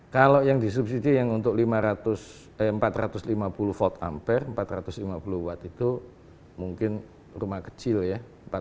kalau yang disubsidi yang untuk empat ratus lima puluh volt ampere empat ratus lima puluh watt itu mungkin rumah kecil ya